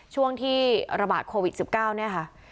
ช่วงที่ระบาดโควิด๑๙เนี่ยค่ะ